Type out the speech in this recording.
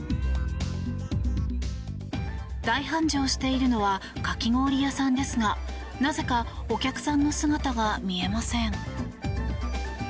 大繁盛しているのはかき氷屋さんですがなぜかお客さんの姿が見えません。